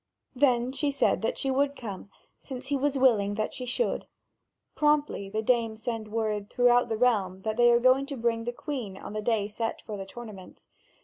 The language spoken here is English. Then she said that she would come, since he was willing that she should. Promptly the dames send word throughout the realm that they are going to bring the Queen on the day set for the tournament.